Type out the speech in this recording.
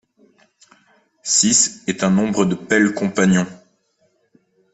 Six est un nombre de Pell compagnon.